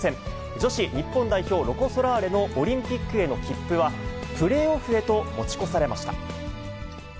女子日本代表、ロコ・ソラーレのオリンピックへの切符は、プレーオフへと持ち越されました。